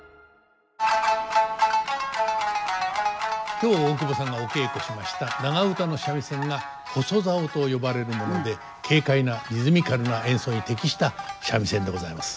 今日大久保さんがお稽古しました長唄の三味線が細棹と呼ばれるもので軽快なリズミカルな演奏に適した三味線でございます。